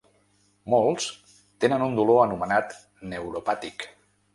Molts tenen un dolor anomenat neuropàtic.